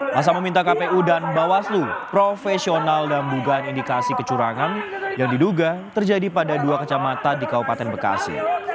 masa meminta kpu dan bawaslu profesional dan dugaan indikasi kecurangan yang diduga terjadi pada dua kecamatan di kabupaten bekasi